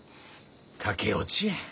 駆け落ちや。